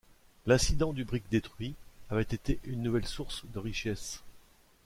L’incident du brick détruit avait été une nouvelle source de richesses.